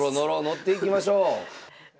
乗っていきましょう。